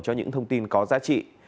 cho những thông tin có giá trị